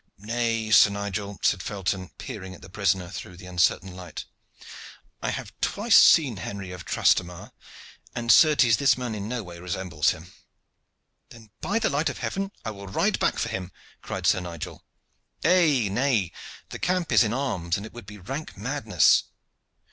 "Nay, Sir Nigel," said Felton, peering at the prisoner through the uncertain light, "I have twice seen Henry of Transtamare, and certes this man in no way resembles him." "Then, by the light of heaven! I will ride back for him," cried Sir Nigel. "Nay, nay, the camp is in arms, and it would be rank madness.